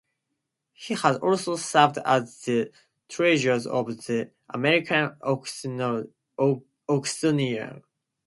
He has also served as the treasurer of "The American Oxonian".